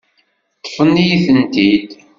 Ṭṭfen-iyi-tent-id.